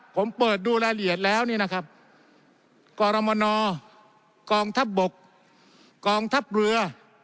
ผมเปิดดูรายละเอียดแล้วนี่นะครับกรมนกองทัพบกกองทัพเรือ